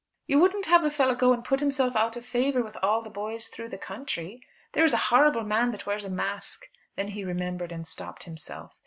"You wouldn't have a fellow go and put himself out of favour with all the boys through the country? There is a horrible man that wears a mask " Then he remembered, and stopped himself.